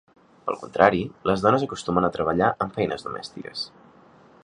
Pel contrari, les dones acostumen a treballar en feines domèstiques.